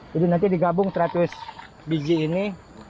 jadi nanti digabung seratus biji ini